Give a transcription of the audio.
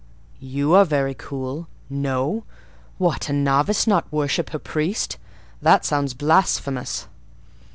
"You are very cool! No! What! a novice not worship her priest! That sounds blasphemous."